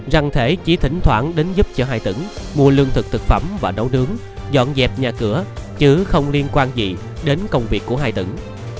rằng thể chỉ thỉnh thoảng đến giúp cho hai tỉnh mua lương thực thực phẩm và nấu nướng dọn dẹp nhà cửa chứ không liên quan gì đến công việc của hai tỉnh